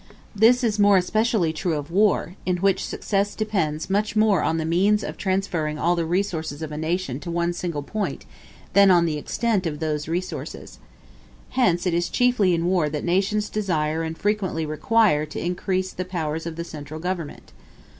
This is more especially true of war, in which success depends much more on the means of transferring all the resources of a nation to one single point, than on the extent of those resources. Hence it is chiefly in war that nations desire and frequently require to increase the powers of the central government.